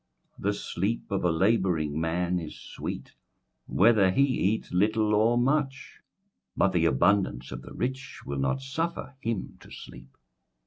21:005:012 The sleep of a labouring man is sweet, whether he eat little or much: but the abundance of the rich will not suffer him to sleep.